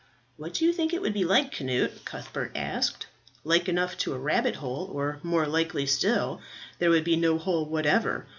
"What do you think it would be like, Cnut?" Cuthbert asked. "Like enough to a rabbit hole, or more likely still there would be no hole whatever.